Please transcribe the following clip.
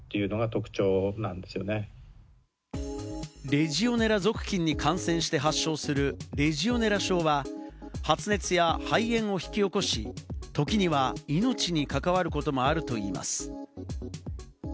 レジオネラ属菌に感染して発症するレジオネラ症は発熱や肺炎を引き起こし、時には命に関わることもあるといいます。